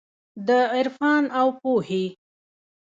د عرفان اوپو هي